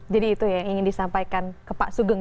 jadi itu yang ingin disampaikan ke pak sugeng